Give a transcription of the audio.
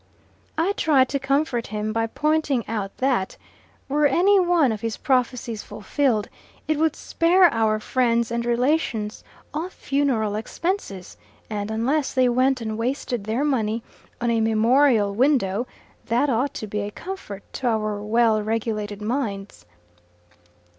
I tried to comfort him by pointing out that, were any one of his prophecies fulfilled, it would spare our friends and relations all funeral expenses; and, unless they went and wasted their money on a memorial window, that ought to be a comfort to our well regulated minds.